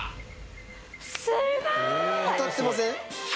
すごい！当たってません？